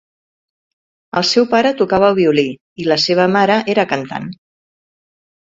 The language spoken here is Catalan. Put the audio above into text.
El seu pare tocava el violí i la seva mare era cantant.